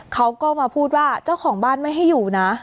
เขาก็มาพูดว่าเจ้าของบ้านไม่ให้อยู่นะ